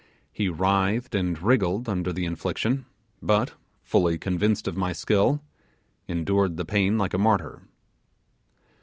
He writhed and wriggled under the infliction, but, fully convinced of my skill, endured the pain like a martyr.